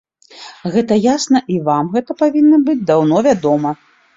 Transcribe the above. Гэта ясна, і вам гэта павінна быць даўно вядома.